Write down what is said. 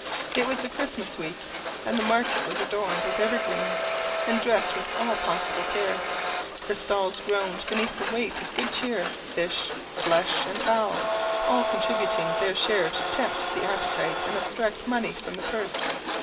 It was the Christmas week, and the market was adorned with evergreens, and dressed with all possible care. The stalls groaned beneath the weight of good cheer fish, flesh, and fowl, all contributing their share to tempt the appetite and abstract money from the purse.